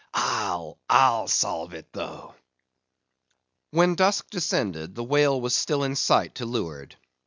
I'll, I'll solve it, though!" When dusk descended, the whale was still in sight to leeward.